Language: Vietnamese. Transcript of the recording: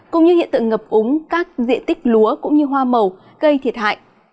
cũng như hiện tượng ngập úng các diện tích lúa cũng như hoa màu gây thiệt hại